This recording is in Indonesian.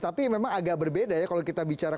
tapi memang agak berbeda ya kalau kita bicara